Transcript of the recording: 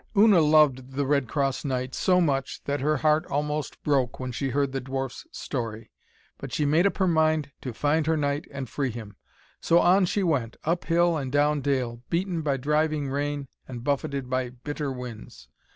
Una loved the Red Cross Knight so much that her heart almost broke when she heard the dwarf's story. But she made up her mind to find her knight and free him. So on she went, up hill and down dale, beaten by driving rain and buffeted by bitter winds.